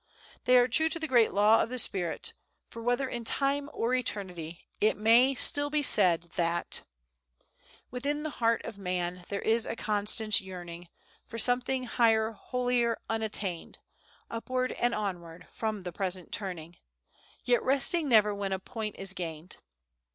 They are true to the great law of spirit, for whether in Time or Eternity, it may still be said that, "Within the heart of man there is a constant yearning For something higher, holier, unattained, Upward and onward, from the present turning, Yet resting never when a point is gained.